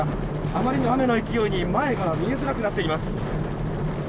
あまりの雨の勢いに前が見えづらくなっています。